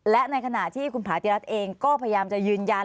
และในขณะที่คุณผาติรัฐเองก็พยายามจะยืนยัน